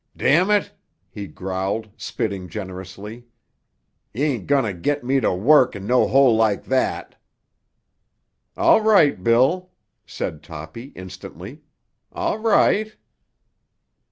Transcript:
"——!" he growled, spitting generously. "Yah ain't goin' tuh git me tuh wurruk in no hole like that." "All right, Bill," said Toppy instantly. "All right."